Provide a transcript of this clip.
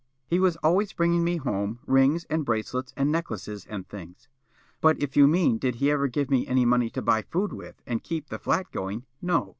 He was always bringing me home rings and bracelets and necklaces and things. But if you mean did he ever give me any money to buy food with and keep the flat going, no.